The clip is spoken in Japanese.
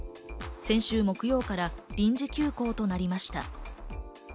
先週木曜から臨時休校となりました。